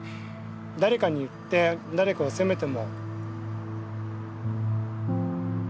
誰かに言って誰かを責めても。